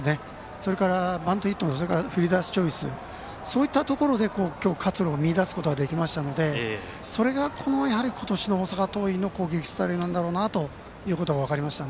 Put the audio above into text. それからバントヒットフィルダースチョイスそういったところで活路を見いだすことができましたのでそれが、今年の大阪桐蔭の攻撃スタイルなんだろうなということが分かりました。